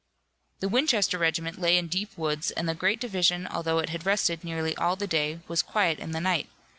The Winchester regiment lay in deep woods, and the great division although it had rested nearly all the day was quiet in the night.